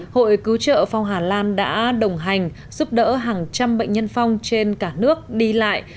hội cứu trợ phong hà lan đã đồng hành giúp đỡ hàng trăm bệnh nhân phong trên cả nước đi lại